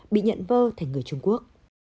bị nhận vơ thành người trung quốc